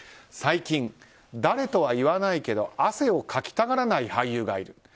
最近、誰とは言わないけど汗をかきたがらない俳優がいる。